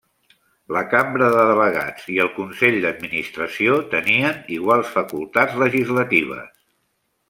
La Cambra de Delegats i el Consell d'Administració tenien iguals facultats legislatives.